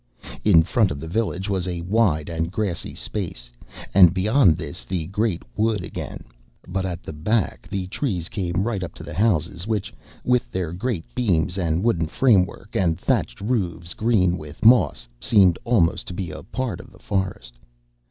In front of the village was a wide and grassy space, and beyond this the great wood again, but at the back the trees came right up to the houses, which, with their great beams and wooden framework and thatched roofs, green with moss, seemed almost to be a part of the forest.